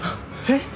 えっ。